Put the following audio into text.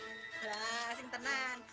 wah sini tenang